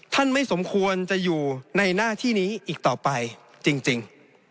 ไม่สมควรจะอยู่ในหน้าที่นี้อีกต่อไปจริง